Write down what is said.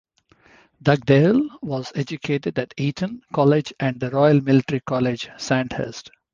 Dugdale was educated at Eton College and the Royal Military College, Sandhurst.